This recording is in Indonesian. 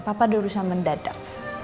papa ada urusan mendadak